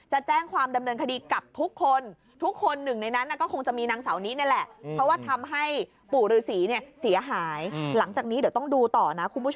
หรือเสียไว้ยังไง